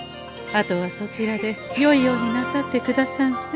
あとはそちらでよいようになさってくださんせ。